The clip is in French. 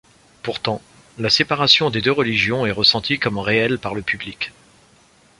Pourtant, la séparation des deux religions est ressentie comme réelle par le public.